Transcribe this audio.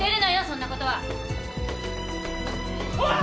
そんなことは！